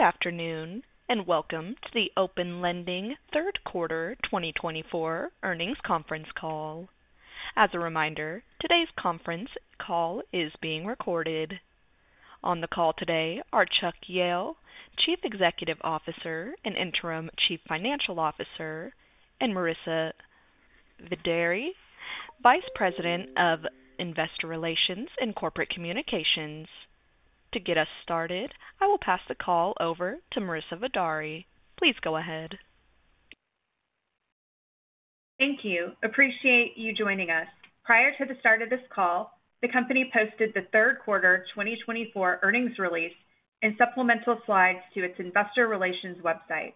Good afternoon, and welcome to the Open Lending third quarter 2024 earnings conference call. As a reminder, today's conference call is being recorded. On the call today are Chuck Jehl, Chief Executive Officer and Interim Chief Financial Officer, and Marissa Vidaurri, Vice President of Investor Relations and Corporate Communications. To get us started, I will pass the call over to Marissa Vidaurri. Please go ahead. Thank you. Appreciate you joining us. Prior to the start of this call, the company posted the third-quarter 2024 earnings release and supplemental slides to its Investor Relations website.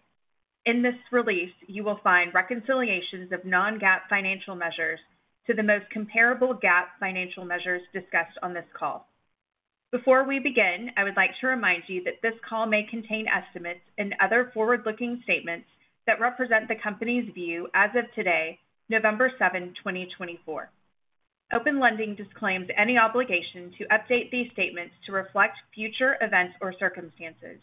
In this release, you will find reconciliations of non-GAAP financial measures to the most comparable GAAP financial measures discussed on this call. Before we begin, I would like to remind you that this call may contain estimates and other forward-looking statements that represent the company's view as of today, November 7, 2024. Open Lending disclaims any obligation to update these statements to reflect future events or circumstances.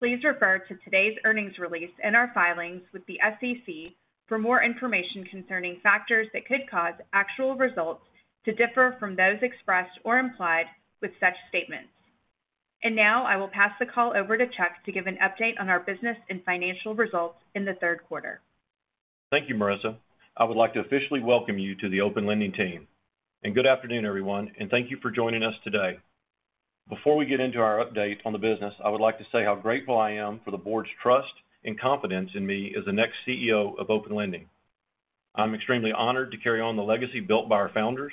Please refer to today's earnings release and our filings with the SEC for more information concerning factors that could cause actual results to differ from those expressed or implied with such statements. Now, I will pass the call over to Chuck to give an update on our business and financial results in the third quarter. Thank you, Marissa. I would like to officially welcome you to the Open Lending team, and good afternoon, everyone, and thank you for joining us today. Before we get into our update on the business, I would like to say how grateful I am for the board's trust and confidence in me as the next CEO of Open Lending. I'm extremely honored to carry on the legacy built by our founders,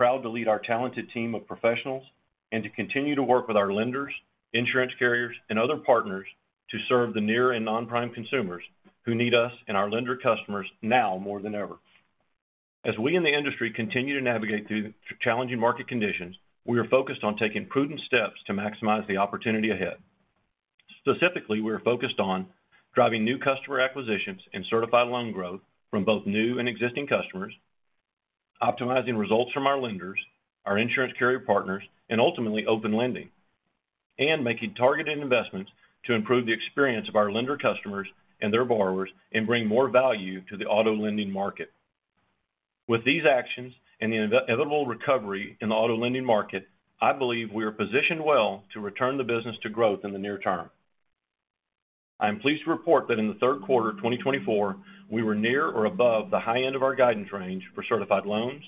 proud to lead our talented team of professionals, and to continue to work with our lenders, insurance carriers, and other partners to serve the near and non-prime consumers who need us and our lender customers now more than ever. As we in the industry continue to navigate through challenging market conditions, we are focused on taking prudent steps to maximize the opportunity ahead. Specifically, we are focused on driving new customer acquisitions and certified loan growth from both new and existing customers, optimizing results from our lenders, our insurance carrier partners, and ultimately Open Lending, and making targeted investments to improve the experience of our lender customers and their borrowers and bring more value to the auto lending market. With these actions and the inevitable recovery in the auto lending market, I believe we are positioned well to return the business to growth in the near term. I am pleased to report that in the third quarter 2024, we were near or above the high end of our guidance range for certified loans,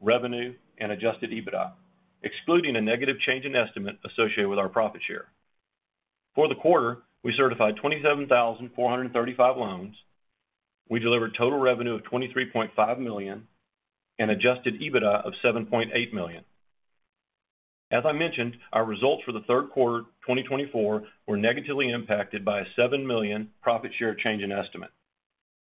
revenue, and adjusted EBITDA, excluding a negative change in estimate associated with our Profit Share. For the quarter, we certified 27,435 loans. We delivered total revenue of $23.5 million and adjusted EBITDA of $7.8 million. As I mentioned, our results for the third quarter 2024 were negatively impacted by a $7 million profit share change in estimate.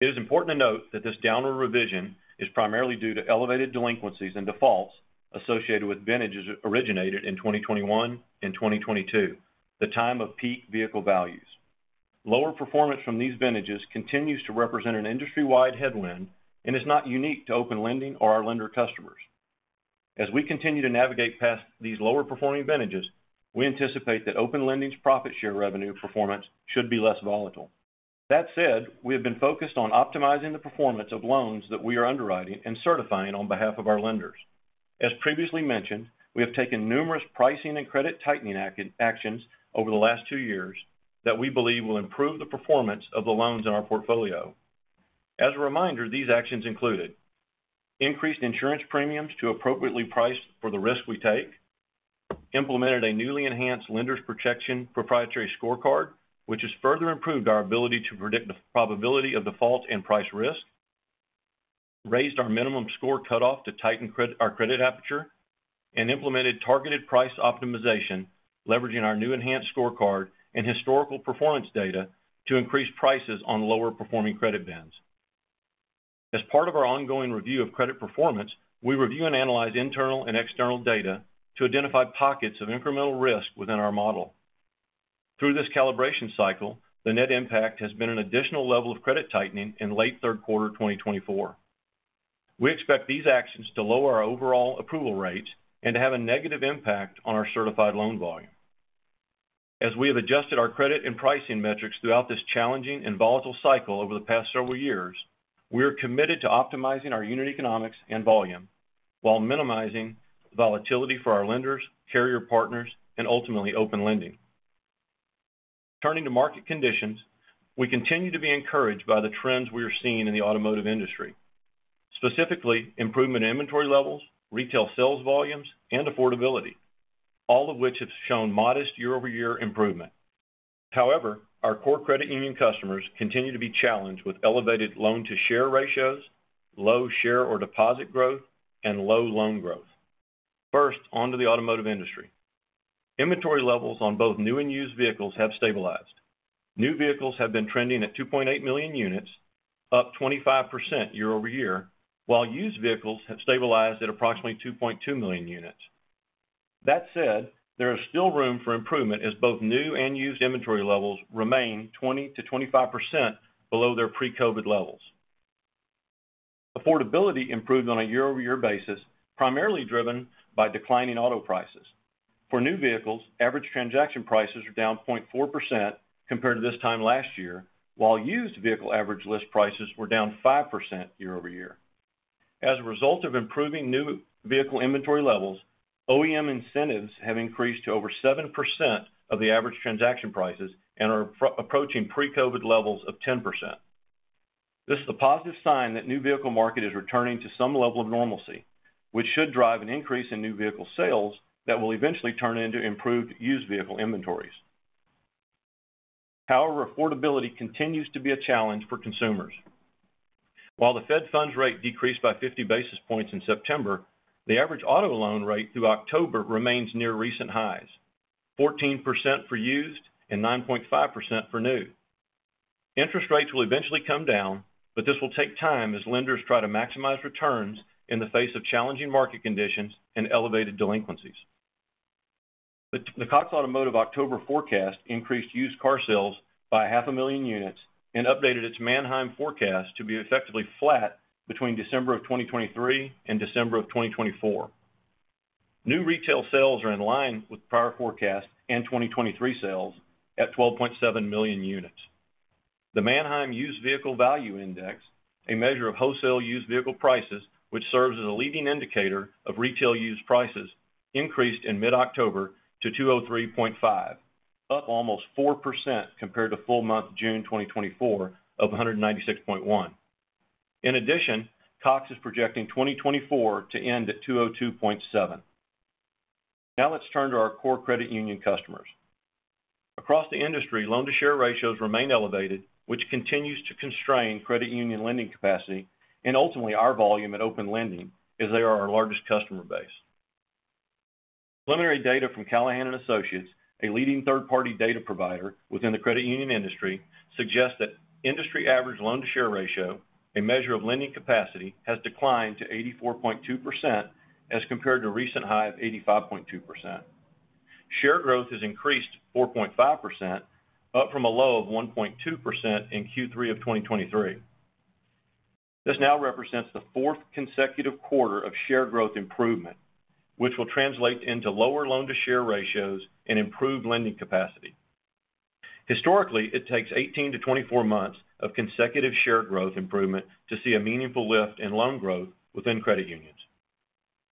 It is important to note that this downward revision is primarily due to elevated delinquencies and defaults associated with vintages originated in 2021 and 2022, the time of peak vehicle values. Lower performance from these vintages continues to represent an industry-wide headwind and is not unique to Open Lending or our lender customers. As we continue to navigate past these lower-performing vintages, we anticipate that Open Lending's profit share revenue performance should be less volatile. That said, we have been focused on optimizing the performance of loans that we are underwriting and certifying on behalf of our lenders. As previously mentioned, we have taken numerous pricing and credit tightening actions over the last two years that we believe will improve the performance of the loans in our portfolio. As a reminder, these actions included increased insurance premiums to appropriately price for the risk we take, implemented a newly enhanced Lenders Protection proprietary scorecard, which has further improved our ability to predict the probability of default and price risk, raised our minimum score cutoff to tighten our credit aperture, and implemented targeted price optimization, leveraging our new enhanced scorecard and historical performance data to increase prices on lower-performing credit bands. As part of our ongoing review of credit performance, we review and analyze internal and external data to identify pockets of incremental risk within our model. Through this calibration cycle, the net impact has been an additional level of credit tightening in late third quarter 2024. We expect these actions to lower our overall approval rates and to have a negative impact on our Certified Loan volume. As we have adjusted our credit and pricing metrics throughout this challenging and volatile cycle over the past several years, we are committed to optimizing our unit economics and volume while minimizing volatility for our lenders, carrier partners, and ultimately Open Lending. Turning to market conditions, we continue to be encouraged by the trends we are seeing in the automotive industry, specifically improvement in inventory levels, retail sales volumes, and affordability, all of which have shown modest year-over-year improvement. However, our core credit union customers continue to be challenged with elevated loan-to-share ratios, low share or deposit growth, and low loan growth. First, on to the automotive industry. Inventory levels on both new and used vehicles have stabilized. New vehicles have been trending at 2.8 million units, up 25% year-over-year, while used vehicles have stabilized at approximately 2.2 million units. That said, there is still room for improvement as both new and used inventory levels remain 20%-25% below their pre-COVID levels. Affordability improved on a year-over-year basis, primarily driven by declining auto prices. For new vehicles, average transaction prices are down 0.4% compared to this time last year, while used vehicle average list prices were down 5% year-over-year. As a result of improving new vehicle inventory levels, OEM incentives have increased to over 7% of the average transaction prices and are approaching pre-COVID levels of 10%. This is a positive sign that the new vehicle market is returning to some level of normalcy, which should drive an increase in new vehicle sales that will eventually turn into improved used vehicle inventories. However, affordability continues to be a challenge for consumers. While the Fed funds rate decreased by 50 basis points in September, the average auto loan rate through October remains near recent highs, 14% for used and 9.5% for new. Interest rates will eventually come down, but this will take time as lenders try to maximize returns in the face of challenging market conditions and elevated delinquencies. The Cox Automotive October forecast increased used car sales by 500,000 units and updated its Manheim forecast to be effectively flat between December of 2023 and December of 2024. New retail sales are in line with prior forecasts and 2023 sales at 12.7 million units. The Manheim Used Vehicle Value Index, a measure of wholesale used vehicle prices, which serves as a leading indicator of retail used prices, increased in mid-October to 203.5, up almost 4% compared to full month June 2024 of 196.1. In addition, Cox is projecting 2024 to end at 202.7. Now, let's turn to our core credit union customers. Across the industry, loan-to-share ratios remain elevated, which continues to constrain credit union lending capacity and ultimately our volume at Open Lending as they are our largest customer base. Preliminary data from Callahan & Associates, a leading third-party data provider within the credit union industry, suggests that industry average loan-to-share ratio, a measure of lending capacity, has declined to 84.2% as compared to a recent high of 85.2%. Share growth has increased 4.5%, up from a low of 1.2% in Q3 of 2023. This now represents the fourth consecutive quarter of share growth improvement, which will translate into lower loan-to-share ratios and improved lending capacity. Historically, it takes 18 to 24 months of consecutive share growth improvement to see a meaningful lift in loan growth within credit unions.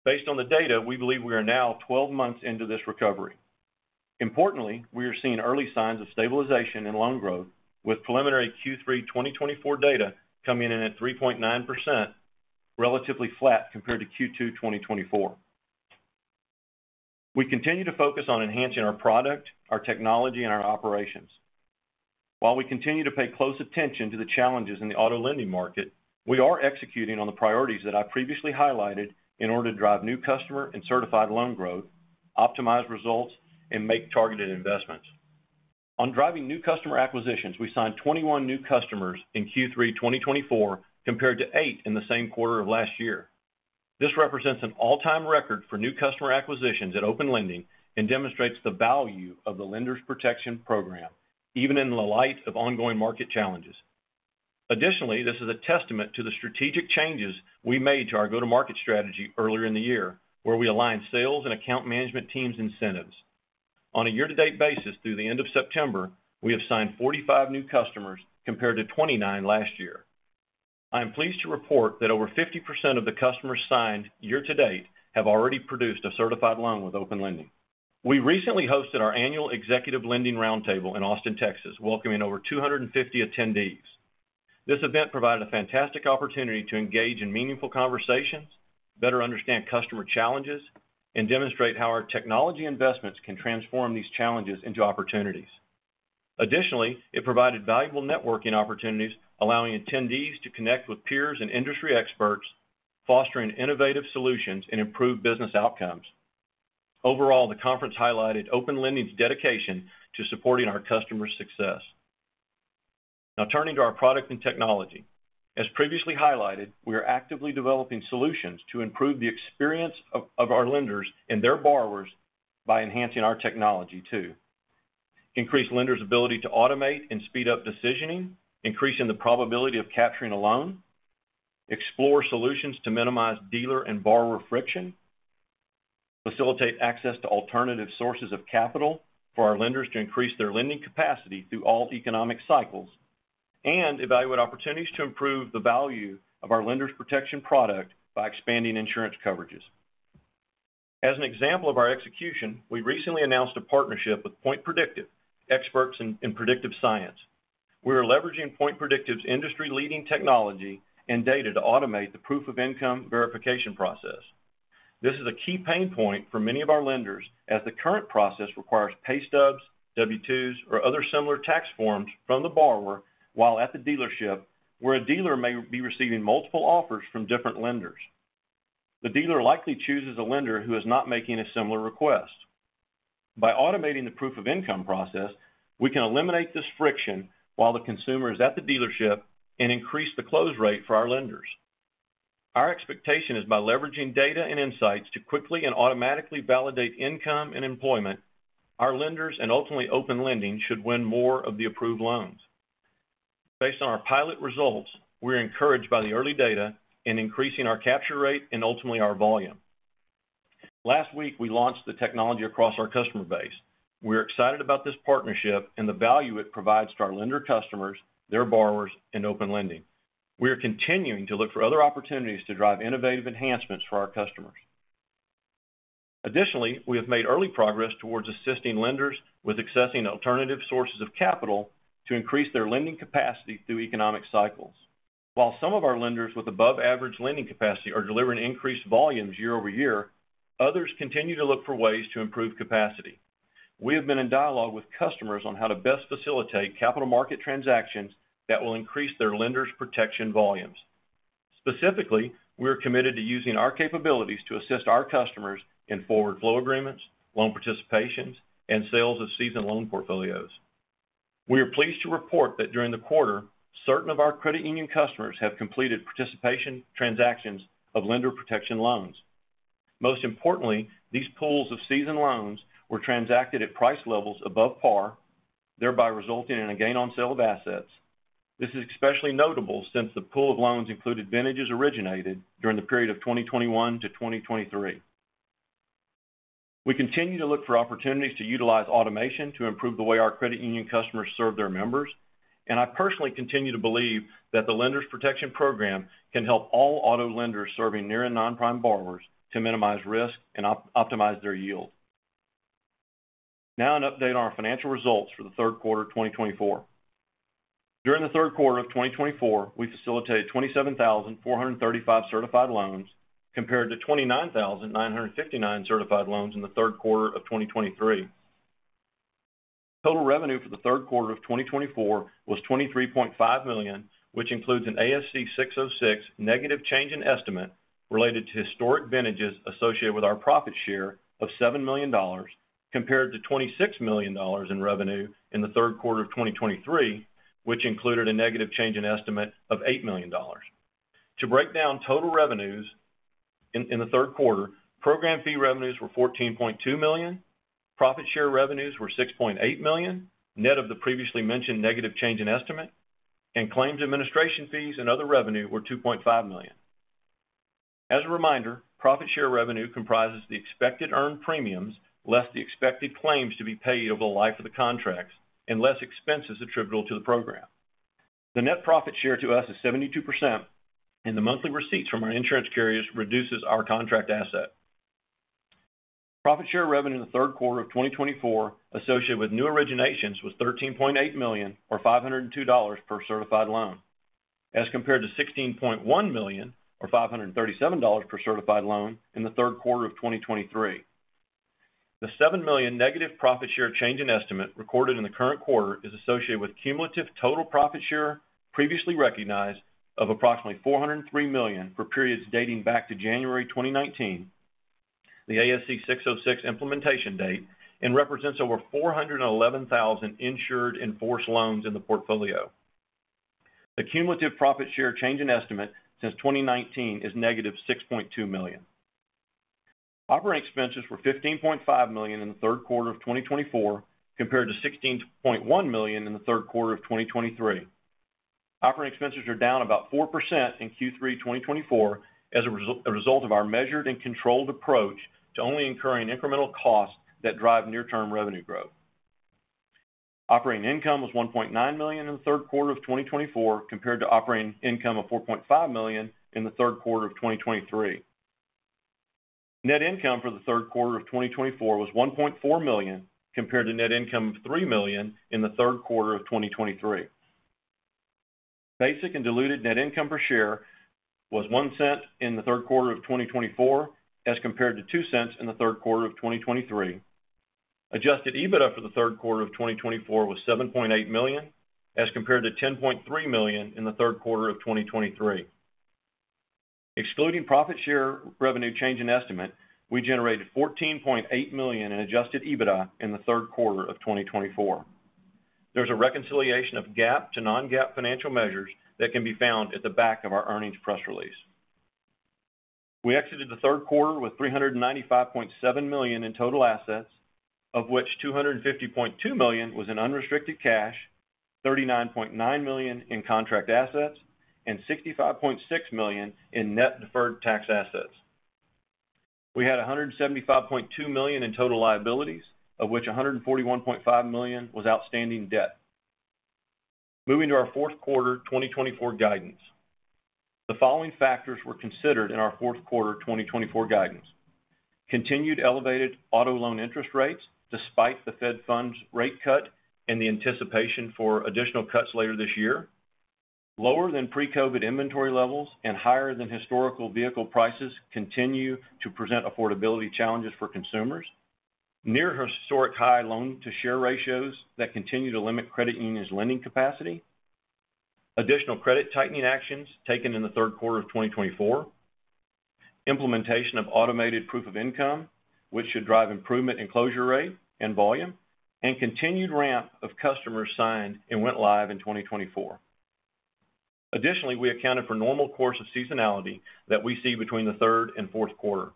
Based on the data, we believe we are now 12 months into this recovery. Importantly, we are seeing early signs of stabilization in loan growth, with preliminary Q3 2024 data coming in at 3.9%, relatively flat compared to Q2 2024. We continue to focus on enhancing our product, our technology, and our operations. While we continue to pay close attention to the challenges in the auto lending market, we are executing on the priorities that I previously highlighted in order to drive new customer and certified loan growth, optimize results, and make targeted investments. On driving new customer acquisitions, we signed 21 new customers in Q3 2024 compared to eight in the same quarter of last year. This represents an all-time record for new customer acquisitions at Open Lending and demonstrates the value of the Lenders Protection Program, even in the light of ongoing market challenges. Additionally, this is a testament to the strategic changes we made to our go-to-market strategy earlier in the year, where we aligned sales and account management teams' incentives. On a year-to-date basis, through the end of September, we have signed 45 new customers compared to 29 last year. I am pleased to report that over 50% of the customers signed year-to-date have already produced a certified loan with Open Lending. We recently hosted our annual Executive Lending Roundtable in Austin, Texas, welcoming over 250 attendees. This event provided a fantastic opportunity to engage in meaningful conversations, better understand customer challenges, and demonstrate how our technology investments can transform these challenges into opportunities. Additionally, it provided valuable networking opportunities, allowing attendees to connect with peers and industry experts, fostering innovative solutions and improved business outcomes. Overall, the conference highlighted Open Lending's dedication to supporting our customer success. Now, turning to our product and technology. As previously highlighted, we are actively developing solutions to improve the experience of our lenders and their borrowers by enhancing our technology to increase lenders' ability to automate and speed up decisioning, increasing the probability of capturing a loan, explore solutions to minimize dealer and borrower friction, facilitate access to alternative sources of capital for our lenders to increase their lending capacity through all economic cycles, and evaluate opportunities to improve the value of our Lenders Protection product by expanding insurance coverages. As an example of our execution, we recently announced a partnership with Point Predictive, experts in predictive science. We are leveraging Point Predictive's industry-leading technology and data to automate the proof-of-income verification process. This is a key pain point for many of our lenders as the current process requires pay stubs, W-2s, or other similar tax forms from the borrower while at the dealership, where a dealer may be receiving multiple offers from different lenders. The dealer likely chooses a lender who is not making a similar request. By automating the proof-of-income process, we can eliminate this friction while the consumer is at the dealership and increase the close rate for our lenders. Our expectation is by leveraging data and insights to quickly and automatically validate income and employment, our lenders and ultimately Open Lending should win more of the approved loans. Based on our pilot results, we are encouraged by the early data in increasing our capture rate and ultimately our volume. Last week, we launched the technology across our customer base. We are excited about this partnership and the value it provides to our lender customers, their borrowers, and Open Lending. We are continuing to look for other opportunities to drive innovative enhancements for our customers. Additionally, we have made early progress towards assisting lenders with accessing alternative sources of capital to increase their lending capacity through economic cycles. While some of our lenders with above-average lending capacity are delivering increased volumes year-over-year, others continue to look for ways to improve capacity. We have been in dialogue with customers on how to best facilitate capital market transactions that will increase their Lenders Protection volumes. Specifically, we are committed to using our capabilities to assist our customers in forward flow agreements, loan participations, and sales of seasoned loan portfolios. We are pleased to report that during the quarter, certain of our credit union customers have completed participation transactions of Lenders Protection loans. Most importantly, these pools of seasoned loans were transacted at price levels above par, thereby resulting in a gain on sale of assets. This is especially notable since the pool of loans included Vintages originated during the period of 2021 to 2023. We continue to look for opportunities to utilize automation to improve the way our credit union customers serve their members, and I personally continue to believe that the Lenders Protection Program can help all auto lenders serving near and non-prime borrowers to minimize risk and optimize their yield. Now, an update on our financial results for the third quarter 2024. During the third quarter of 2024, we facilitated 27,435 certified loans compared to 29,959 certified loans in the third quarter of 2023. Total revenue for the third quarter of 2024 was $23.5 million, which includes an ASC 606 negative change in estimate related to historic vintages associated with our profit share of $7 million, compared to $26 million in revenue in the third quarter of 2023, which included a negative change in estimate of $8 million. To break down total revenues in the third quarter, program fee revenues were $14.2 million, profit share revenues were $6.8 million net of the previously mentioned negative change in estimate, and claims administration fees and other revenue were $2.5 million. As a reminder, profit share revenue comprises the expected earned premiums less the expected claims to be paid over the life of the contracts and less expenses attributable to the program. The net profit share to us is 72%, and the monthly receipts from our insurance carriers reduces our contract asset. Profit share revenue in the third quarter of 2024 associated with new originations was $13.8 million, or $502 per certified loan, as compared to $16.1 million, or $537 per certified loan in the third quarter of 2023. The $7 million negative profit share change in estimate recorded in the current quarter is associated with cumulative total profit share previously recognized of approximately $403 million for periods dating back to January 2019, the ASC 606 implementation date, and represents over 411,000 insured enforced loans in the portfolio. The cumulative profit share change in estimate since 2019 is negative $6.2 million. Operating expenses were $15.5 million in the third quarter of 2024 compared to $16.1 million in the third quarter of 2023. Operating expenses are down about 4% in Q3 2024 as a result of our measured and controlled approach to only incurring incremental costs that drive near-term revenue growth. Operating income was $1.9 million in the third quarter of 2024 compared to operating income of $4.5 million in the third quarter of 2023. Net income for the third quarter of 2024 was $1.4 million compared to net income of $3 million in the third quarter of 2023. Basic and diluted net income per share was $0.01 in the third quarter of 2024 as compared to $0.02 in the third quarter of 2023. Adjusted EBITDA for the third quarter of 2024 was $7.8 million as compared to $10.3 million in the third quarter of 2023. Excluding profit share revenue change in estimate, we generated $14.8 million in adjusted EBITDA in the third quarter of 2024. There's a reconciliation of GAAP to non-GAAP financial measures that can be found at the back of our earnings press release. We exited the third quarter with $395.7 million in total assets, of which $250.2 million was in unrestricted cash, $39.9 million in contract assets, and $65.6 million in net deferred tax assets. We had $175.2 million in total liabilities, of which $141.5 million was outstanding debt. Moving to our fourth-quarter 2024 guidance. The following factors were considered in our fourth quarter 2024 guidance: continued elevated auto loan interest rates despite the Fed funds rate cut and the anticipation for additional cuts later this year. Lower than pre-COVID inventory levels and higher than historical vehicle prices continue to present affordability challenges for consumers. Near historic high loan-to-share ratios that continue to limit credit unions' lending capacity. Additional credit tightening actions taken in the third quarter of 2024. Implementation of automated proof of income, which should drive improvement in closure rate and volume. And continued ramp of customers signed and went live in 2024. Additionally, we accounted for normal course of seasonality that we see between the third and fourth quarter.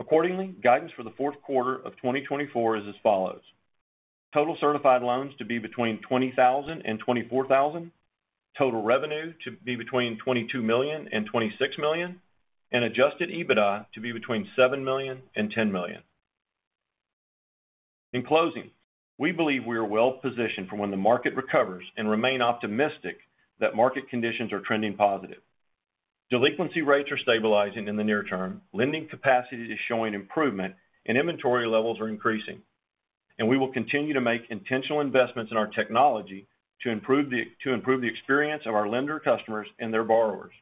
Accordingly, guidance for the fourth quarter of 2024 is as follows: total certified loans to be between 20,000 and 24,000, total revenue to be between $22 million and $26 million, and Adjusted EBITDA to be between $7 million and $10 million. In closing, we believe we are well positioned for when the market recovers and remain optimistic that market conditions are trending positive. Delinquency rates are stabilizing in the near term, lending capacity is showing improvement, and inventory levels are increasing, and we will continue to make intentional investments in our technology to improve the experience of our lender customers and their borrowers.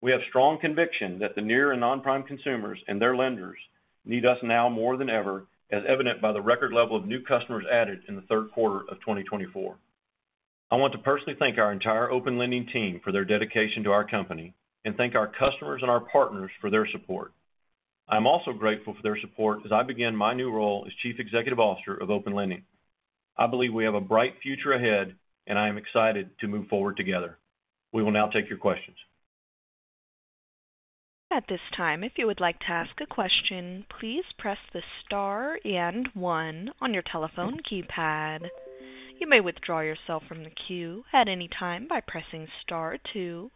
We have strong conviction that the near and non-prime consumers and their lenders need us now more than ever, as evident by the record level of new customers added in the third quarter of 2024. I want to personally thank our entire Open Lending team for their dedication to our company and thank our customers and our partners for their support. I am also grateful for their support as I begin my new role as Chief Executive Officer of Open Lending. I believe we have a bright future ahead, and I am excited to move forward together. We will now take your questions. At this time, if you would like to ask a question, please press the star and one on your telephone keypad. You may withdraw yourself from the queue at any time by pressing star two,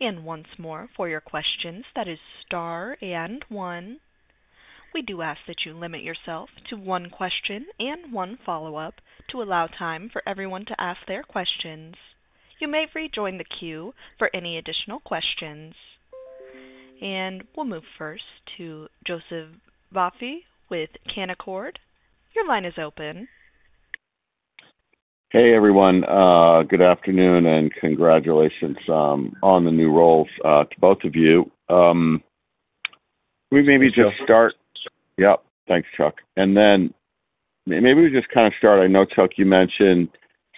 and once more, for your questions, that is star and one. We do ask that you limit yourself to one question and one follow-up to allow time for everyone to ask their questions. You may rejoin the queue for any additional questions. And we'll move first to Joseph Vafi with Canaccord. Your line is open. Hey, everyone. Good afternoon and congratulations on the new roles to both of you. We maybe just start. Yep. Thanks, Chuck. And then maybe we just kind of start. I know, Chuck, you mentioned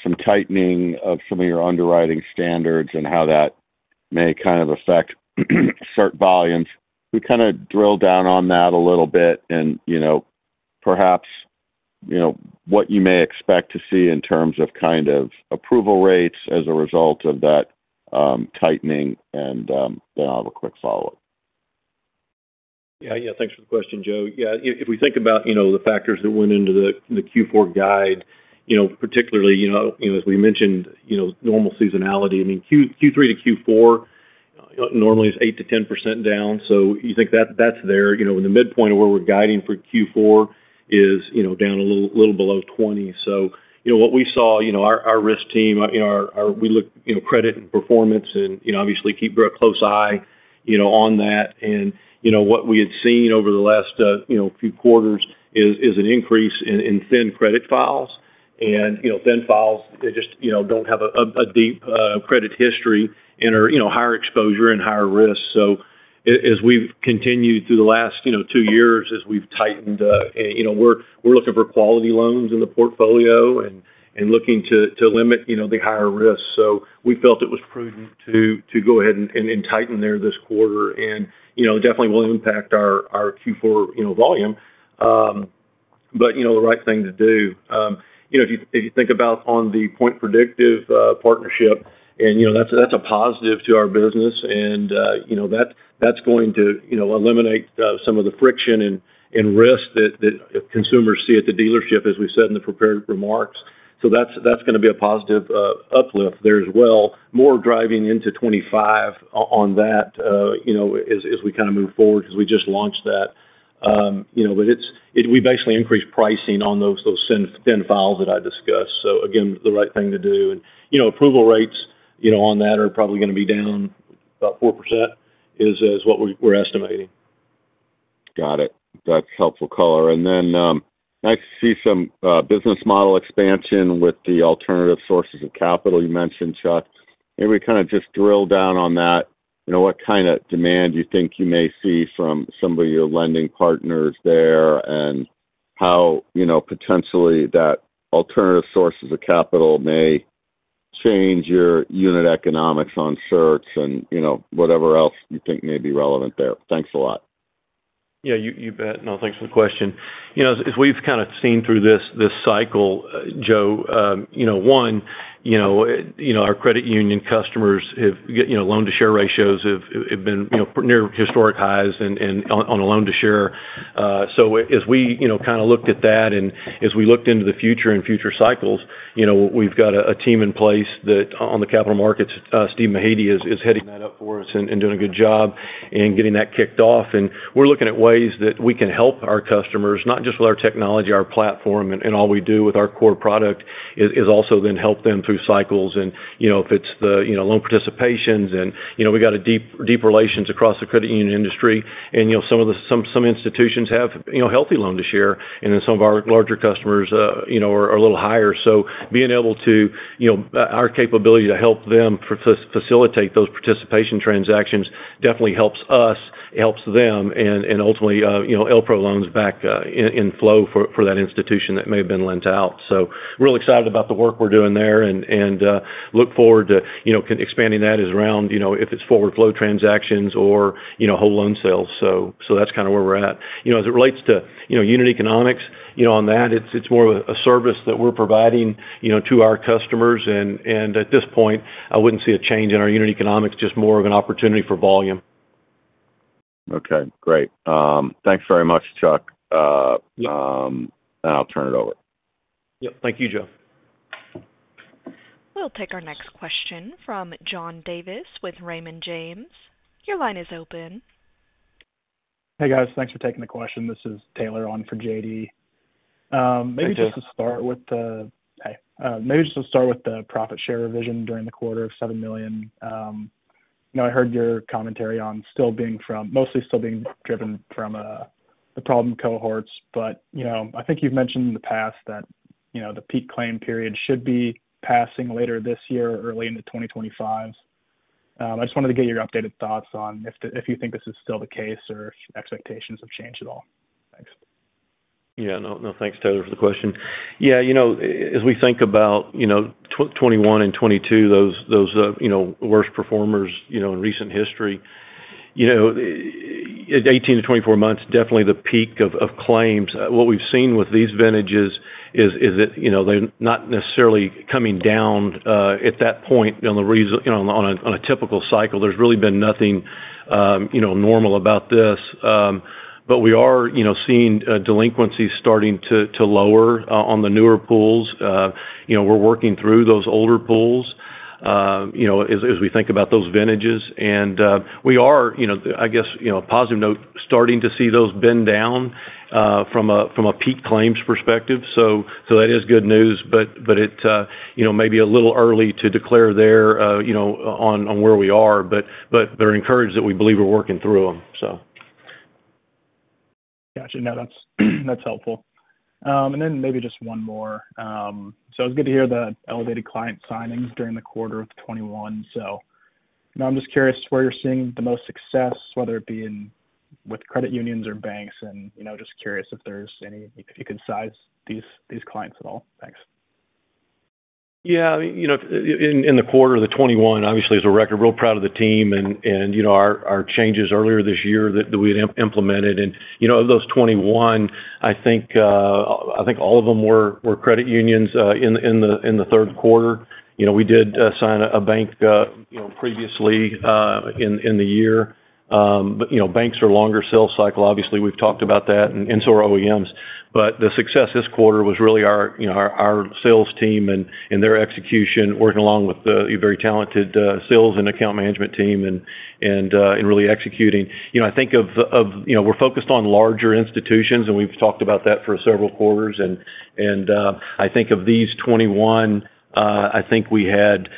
some tightening of some of your underwriting standards and how that may kind of affect certain volumes. We kind of drilled down on that a little bit and perhaps what you may expect to see in terms of kind of approval rates as a result of that tightening. And then I'll have a quick follow-up. Yeah. Yeah. Thanks for the question, Joe. Yeah. If we think about the factors that went into the Q4 guide, particularly, as we mentioned, normal seasonality. I mean, Q3 to Q4 normally is 8%-10% down. So you think that's there. The midpoint of where we're guiding for Q4 is down a little below 20%, so what we saw, our risk team, we look at credit and performance and obviously keep a close eye on that, and what we had seen over the last few quarters is an increase in thin credit files, and thin files, they just don't have a deep credit history and are higher exposure and higher risk, so as we've continued through the last two years, as we've tightened, we're looking for quality loans in the portfolio and looking to limit the higher risk, so we felt it was prudent to go ahead and tighten there this quarter and definitely will impact our Q4 volume, but the right thing to do. If you think about the Point Predictive partnership, and that's a positive to our business, and that's going to eliminate some of the friction and risk that consumers see at the dealership, as we said in the prepared remarks, so that's going to be a positive uplift there as well. More driving into 2025 on that as we kind of move forward because we just launched that, but we basically increased pricing on those thin files that I discussed. So again, the right thing to do, and approval rates on that are probably going to be down about 4% is what we're estimating. Got it. That's helpful, caller. And then I see some business model expansion with the alternative sources of capital you mentioned, Chuck. Maybe we kind of just drill down on that. What kind of demand do you think you may see from some of your lending partners there and how potentially that alternative sources of capital may change your unit economics on certs and whatever else you think may be relevant there? Thanks a lot. Yeah. You bet. No, thanks for the question. As we've kind of seen through this cycle, Joe, one, our credit union customers have loan-to-share ratios have been near historic highs on a loan-to-share. So as we kind of looked at that and as we looked into the future and future cycles, we've got a team in place that on the capital markets, Steve Mehady is heading that up for us and doing a good job and getting that kicked off. And we're looking at ways that we can help our customers, not just with our technology, our platform, and all we do with our core product, is also then help them through cycles. And if it's the loan participations, and we've got deep relations across the credit union industry, and some institutions have healthy loan-to-share, and then some of our larger customers are a little higher. So being able to our capability to help them facilitate those participation transactions definitely helps us, helps them, and ultimately LPRO loans back in flow for that institution that may have been lent out. So real excited about the work we're doing there and look forward to expanding that as around if it's forward flow transactions or whole loan sales. So that's kind of where we're at. As it relates to unit economics, on that, it's more of a service that we're providing to our customers. And at this point, I wouldn't see a change in our unit economics, just more of an opportunity for volume. Okay. Great. Thanks very much, Chuck. And I'll turn it over. Yep. Thank you, Joe. We'll take our next question from John Davis with Raymond James. Your line is open. Hey, guys. Thanks for taking the question. This is Taylor on for JD. Maybe just to start with the profit share revision during the quarter of $7 million. I heard your commentary on mostly still being driven from the problem cohorts, but I think you've mentioned in the past that the peak claim period should be passing later this year, early into 2025. I just wanted to get your updated thoughts on if you think this is still the case or if expectations have changed at all. Thanks. Yeah. No, thanks, Taylor, for the question. Yeah. As we think about 2021 and 2022, those worst performers in recent history, 18-24 months is definitely the peak of claims. What we've seen with these vintages is that they're not necessarily coming down at that point. On a typical cycle, there's really been nothing normal about this. But we are seeing delinquencies starting to lower on the newer pools. We're working through those older pools as we think about those vintages. And we are, I guess, a positive note, starting to see those bend down from a peak claims perspective. So that is good news, but it may be a little early to declare there on where we are, but are encouraged that we believe we're working through them, so. Gotcha. No, that's helpful. And then maybe just one more. So it was good to hear the elevated client signings during the quarter of 2021. So I'm just curious where you're seeing the most success, whether it be with credit unions or banks, and just curious if there's any if you could size these clients at all. Thanks. Yeah. I mean, in the quarter of 2021, obviously, as a record, real proud of the team and our changes earlier this year that we had implemented. And of those 2021, I think all of them were credit unions in the third quarter. We did sign a bank previously in the year. But banks are a longer sales cycle. Obviously, we've talked about that and so are OEMs, but the success this quarter was really our sales team and their execution working along with the very talented sales and account management team and really executing. I think we've focused on larger institutions, and we've talked about that for several quarters. I think in 2021, I think we had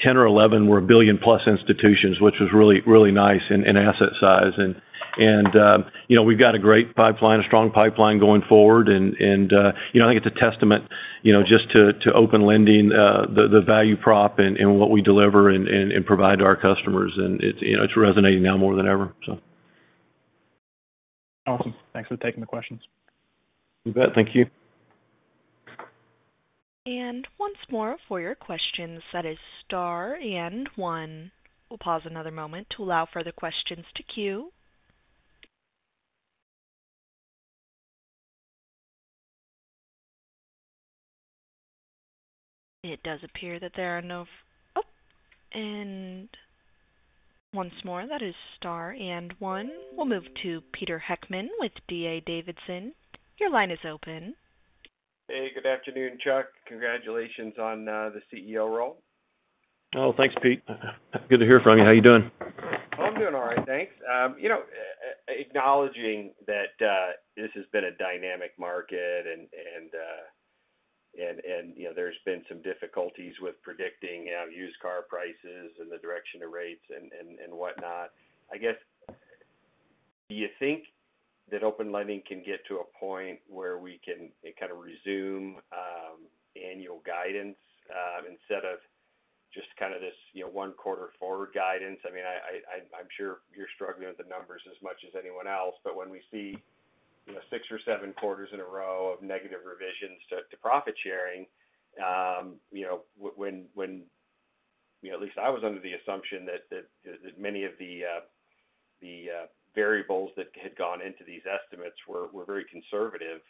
10 or 11 that were billion-plus institutions, which was really nice in asset size. We've got a great pipeline, a strong pipeline going forward. I think it's a testament just to Open Lending, the value prop and what we deliver and provide to our customers. It's resonating now more than ever, so. Awesome. Thanks for taking the questions. You bet. Thank you. Once more for your questions, that is star and one. We'll pause another moment to allow further questions to queue. It does appear that there are no, and once more, that is star and one. We'll move to Pete Heckmann with D.A. Davidson. Your line is open. Hey, good afternoon, Chuck. Congratulations on the CEO role. Oh, thanks, Pete. Good to hear from you. How are you doing? Oh, I'm doing all right. Thanks. Acknowledging that this has been a dynamic market and there's been some difficulties with predicting used car prices and the direction of rates and whatnot, I guess, do you think that Open Lending can get to a point where we can kind of resume annual guidance instead of just kind of this one quarter forward guidance? I mean, I'm sure you're struggling with the numbers as much as anyone else, but when we see six or seven quarters in a row of negative revisions to profit sharing, when at least I was under the assumption that many of the variables that had gone into these estimates were very conservative,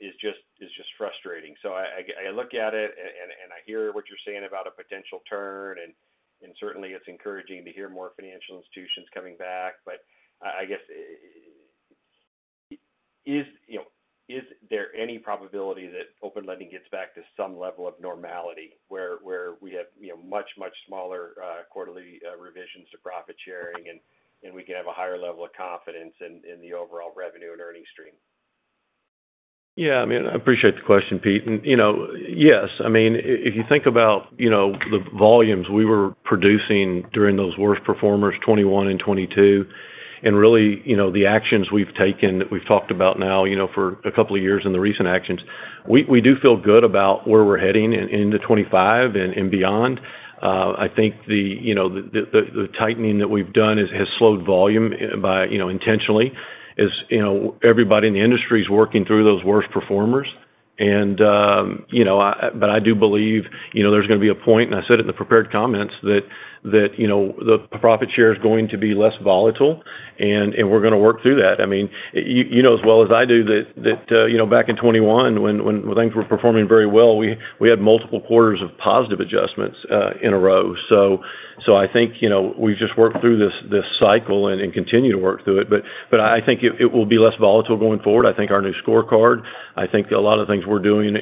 it's just frustrating, so I look at it and I hear what you're saying about a potential turn, and certainly, it's encouraging to hear more financial institutions coming back, but I guess, is there any probability that Open Lending gets back to some level of normality where we have much, much smaller quarterly revisions to profit sharing and we can have a higher level of confidence in the overall revenue and earnings stream? Yeah. I mean, I appreciate the question, Pete. Yes, I mean, if you think about the volumes we were producing during those worst performers, 2021 and 2022, and really the actions we've taken that we've talked about now for a couple of years and the recent actions, we do feel good about where we're heading into 2025 and beyond. I think the tightening that we've done has slowed volume intentionally as everybody in the industry is working through those worst performers. But I do believe there's going to be a point, and I said it in the prepared comments, that the profit share is going to be less volatile, and we're going to work through that. I mean, you know as well as I do that back in 2021, when things were performing very well, we had multiple quarters of positive adjustments in a row. So I think we've just worked through this cycle and continue to work through it. But I think it will be less volatile going forward. I think our new scorecard, I think a lot of the things we're doing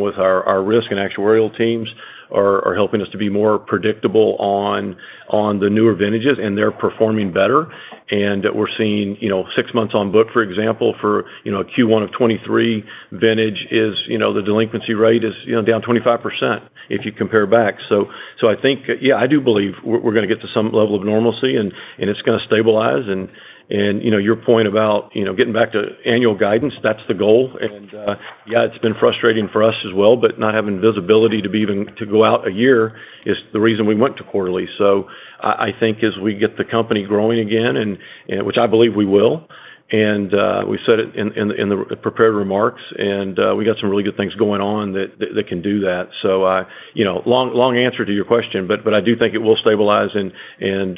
with our risk and actuarial teams are helping us to be more predictable on the newer vintages, and they're performing better. And we're seeing six months on book, for example, for a Q1 of 2023 vintage, the delinquency rate is down 25% if you compare back. So I think, yeah, I do believe we're going to get to some level of normalcy, and it's going to stabilize. And your point about getting back to annual guidance, that's the goal. And yeah, it's been frustrating for us as well, but not having visibility to go out a year is the reason we went to quarterly. So, I think as we get the company growing again, which I believe we will, and we said it in the prepared remarks, and we got some really good things going on that can do that. So, long answer to your question, but I do think it will stabilize and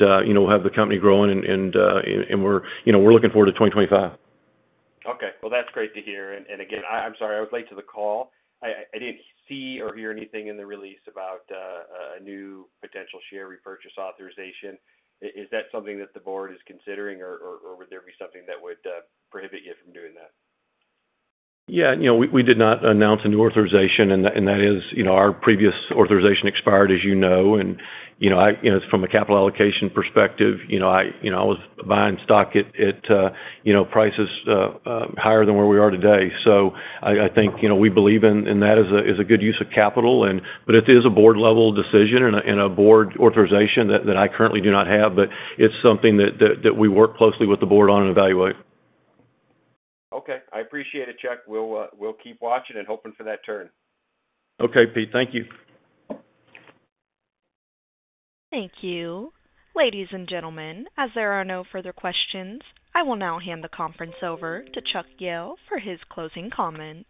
we'll have the company growing, and we're looking forward to 2025. Okay. Well, that's great to hear. And again, I'm sorry, I was late to the call. I didn't see or hear anything in the release about a new potential share repurchase authorization. Is that something that the board is considering, or would there be something that would prohibit you from doing that? Yeah. We did not announce a new authorization, and that is our previous authorization expired, as you know. And from a capital allocation perspective, I was buying stock at prices higher than where we are today. So I think we believe in that as a good use of capital. But it is a board-level decision and a board authorization that I currently do not have, but it's something that we work closely with the board on and evaluate. Okay. I appreciate it, Chuck. We'll keep watching and hoping for that turn. Okay, Pete. Thank you. Thank you. Ladies and gentlemen, as there are no further questions, I will now hand the conference over to Chuck Jehl for his closing comments.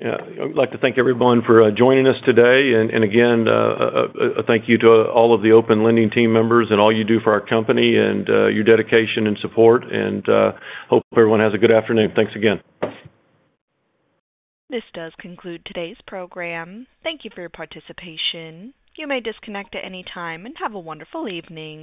Yeah. I'd like to thank everyone for joining us today. And again, a thank you to all of the Open Lending team members and all you do for our company and your dedication and support. And hope everyone has a good afternoon. Thanks again. This does conclude today's program. Thank you for your participation. You may disconnect at any time and have a wonderful evening.